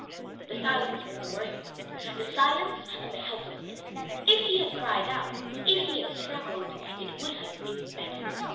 The silence was the worst of it, the silence and the helplessness. If he had cried out, if he had struggled, it would have been better.